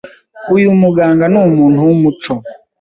Uyu muganga numuntu wumuco.